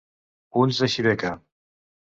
Ulls de xibeca.